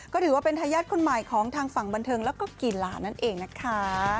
ก็ถือว่าเป็นทายาทคนใหม่ของทางฝั่งบันเทิงแล้วก็กีฬานั่นเองนะคะ